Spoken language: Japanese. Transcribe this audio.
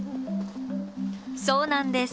そうなんです。